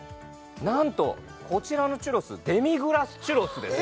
なんとこちらのチュロスデミグラス・チュロスです